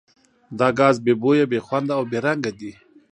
دا ګاز بې بویه، بې خونده او بې رنګه دی.